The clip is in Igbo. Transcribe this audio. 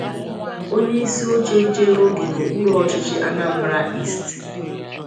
onyeisioche nchere oge n'okpuru ọchịchị 'Anambra East'